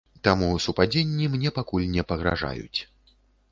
Таму супадзенні мне пакуль не пагражаюць.